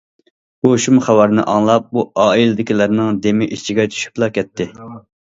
بۇ شۇم خەۋەرنى ئاڭلاپ، بۇ ئائىلىدىكىلەرنىڭ دېمى ئىچىگە چۈشۈپلا كەتتى.